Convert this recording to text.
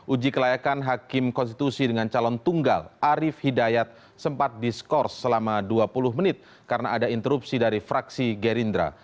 uji kelayakan hakim konstitusi dengan calon tunggal arief hidayat sempat diskors selama dua puluh menit karena ada interupsi dari fraksi gerindra